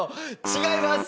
違います！